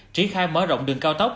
trí khai mở rộng đường cao tốc